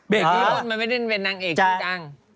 เบรกพี่มดมันไม่ได้เป็นนางเอกดัง